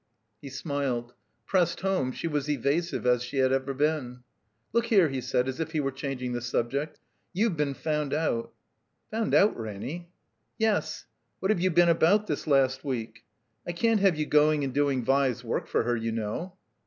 He smiled. Pressed home, she was evasive as she had ever been. "Look here," he said, as if he were changing the subject. ''YovCve been fotmd out." "Pound out, Ranny?" "Yes. What have you been about this last week? I can't have you going and doing Vi's work for her, you know."